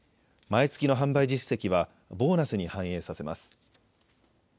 毎月の販売実績はボーナスに反映させます。